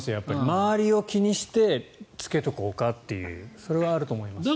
周りを気にして着けておこうかというそれはあると思いますね。